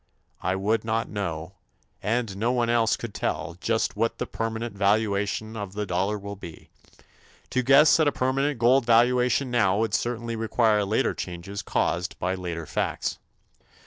I would not know, and no one else could tell, just what the permanent valuation of the dollar will be. To guess at a permanent gold valuation now would certainly require later changes caused by later facts.